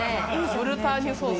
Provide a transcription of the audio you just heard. ブルターニュソース。